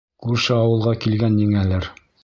Күрше ауылға килгән ниңәлер.